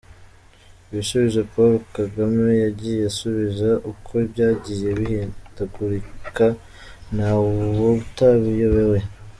Ibisubizo Paulo Kagame yagiye asubiza uko byagiye bihindagurika ntawutabiyobewe.